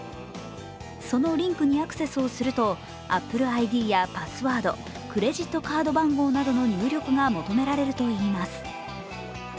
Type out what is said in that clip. そのリンクにアクセスをするとＡｐｐｌｅＩＤやパスワード、クレジットカード番号などの入力が求められるといいます。